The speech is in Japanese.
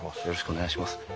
よろしくお願いします。